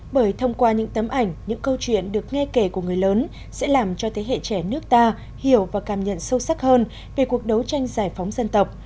bởi thông qua những tấm ảnh những câu chuyện được nghe kể của người lớn sẽ làm cho thế hệ trẻ nước ta hiểu và cảm nhận sâu sắc hơn về cuộc đấu tranh giải phóng dân tộc